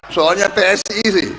soalnya psi sih